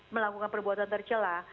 melakukan perbuatan tercelah